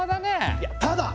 いやただ！